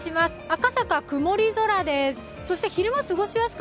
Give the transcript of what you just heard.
赤坂、曇り空です。